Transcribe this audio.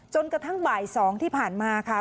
จนกระทั่งบ่าย๒ที่ผ่านมาค่ะ